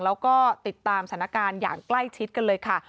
แล้วก็ติดตามสถานการณ์อย่างใกล้ชิดกันเลยค่ะ